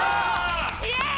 イエーイ！